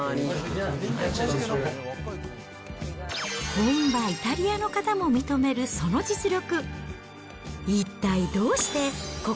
本場、イタリアの方も認めるその実力。